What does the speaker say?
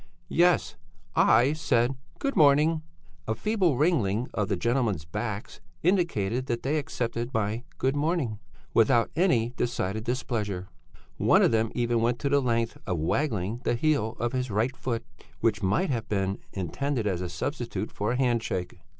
"Yes. I said 'good morning.' A feeble wriggling of the gentlemen's backs indicated that they accepted my good morning without any decided displeasure; one of them even went to the length of waggling the heel of his right foot, which might have been intended as a substitute for a handshake.